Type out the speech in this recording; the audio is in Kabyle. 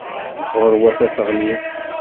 Ɣur-wat ad teɣlim.